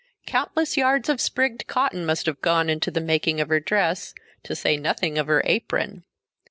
Countless yards of sprigged cotton must have gone into the making of her dress, to say nothing of her apron.